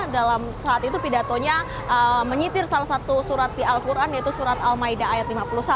dalam saat itu pidatonya menyitir salah satu surat di al quran yaitu surat al maida ayat lima puluh satu